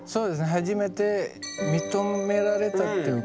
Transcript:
初めて認められたっていうか